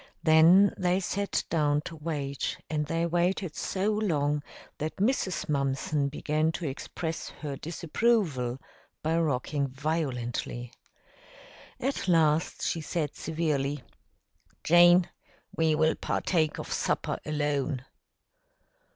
Then they sat down to wait, and they waited so long that Mrs. Mumpson began to express her disapproval by rocking violently. At last, she said severely, "Jane, we will partake of supper alone."